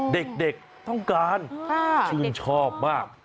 เด็กต้องการชื่นชอบมาก